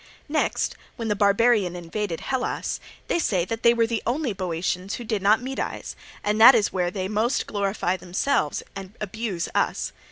"Next, when the barbarian invaded Hellas, they say that they were the only Boeotians who did not Medize; and this is where they most glorify themselves and abuse us.